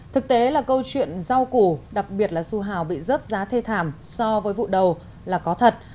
thực tế là câu chuyện rau củ đặc biệt là su hào bị rớt giá thê thảm so với vụ đầu là có thật